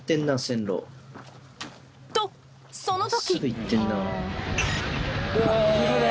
とその時！